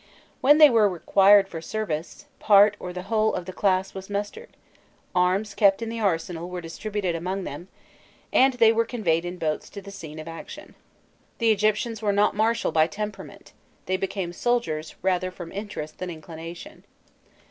When they were required for service, part or the whole of the class was mustered; arms kept in the arsenal were distributed among them, and they were conveyed in boats to the scene of action. The Egyptians were not martial by temperament; they became soldiers rather from interest than inclination.